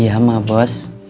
iya emak bos